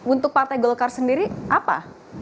untuk partai golkar sendiri apa